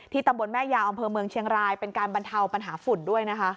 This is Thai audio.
ตำบลแม่ยาวอำเภอเมืองเชียงรายเป็นการบรรเทาปัญหาฝุ่นด้วยนะคะ